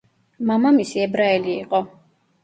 მამამისი ებრაელი იყო.